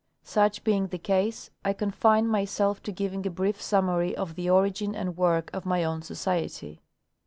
Such being the case, I confine myself to giving a brief summary of the origin and work of my own Society.